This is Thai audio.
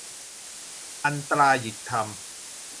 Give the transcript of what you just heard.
อันตรายิกธรรม